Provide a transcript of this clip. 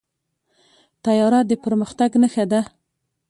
طیاره د پرمختګ نښه ده.